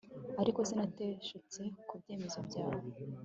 ariko sinateshutse ku byemezo byawe